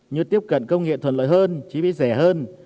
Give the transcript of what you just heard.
như tiếp cận công nghệ thuận lợi hơn chi phí rẻ hơn